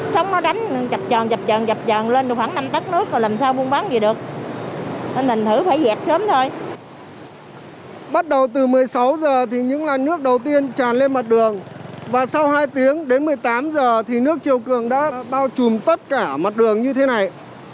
sau hai tiếng đến một mươi tám giờ thì nước triều cường đã bao trùm tất cả mặt đường như thế này